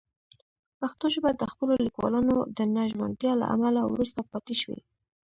پښتو ژبه د خپلو لیکوالانو د نه ژمنتیا له امله وروسته پاتې شوې.